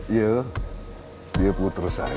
iya dia puter saya